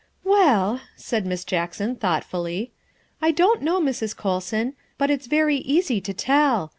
" Well," said Miss Jackson thoughtfully, " I don't know, Mrs. Colson, but it's very easy to tell.